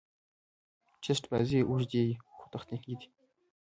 ټېسټ بازي اوږدې يي، خو تخنیکي دي.